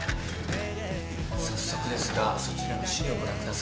早速ですがそちらの資料をご覧ください。